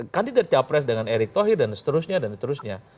kandidat capres dengan erick thohir dan seterusnya dan seterusnya